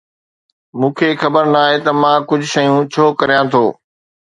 مون کي خبر ناهي ته مان ڪجهه شيون ڇو ڪريان ٿو